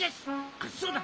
あっそうだ！